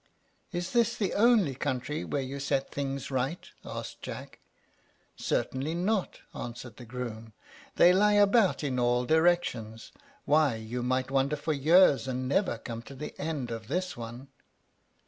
"Is this the only country where you set things right?" asked Jack. "Certainly not," answered the groom; "they lie about in all directions. Why, you might wander for years, and never come to the end of this one."